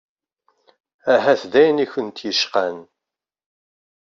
Ahat d ayen i kunt-yecqan.